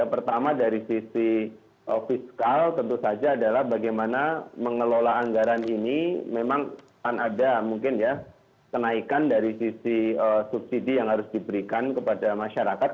pertama dari sisi fiskal tentu saja adalah bagaimana mengelola anggaran ini memang akan ada mungkin ya kenaikan dari sisi subsidi yang harus diberikan kepada masyarakat